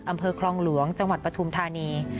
อำเภอคลองหลวงจังหวัดปฐุมธานี